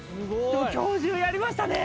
教授やりましたね！